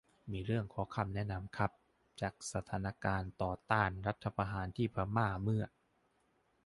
มีเรื่องขอคำแนะนำครับ จากสถานการณ์ต่อต้านรัฐประหารที่พม่า เมื่อ